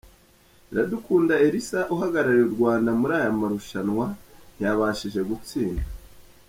Iradukunda Elsa uhagarariye u Rwanda muri aya marushanwa ntiyabashije gutsinda.